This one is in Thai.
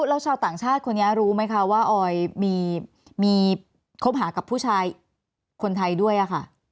แล้วชาวต่างชาติคนนี้รู้ไหมคะว่าออยมีคบหากับผู้ชายคนไทยด้วยค่ะ